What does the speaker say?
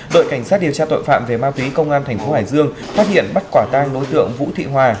đội cảnh sát điều tra tội phạm về ma túy công an thành phố hải dương phát hiện bắt quả tang đối tượng vũ thị hòa